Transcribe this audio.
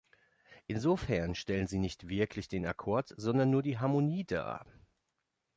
Insofern stellen sie nicht wirklich den Akkord, sondern nur die „Harmonie“ dar.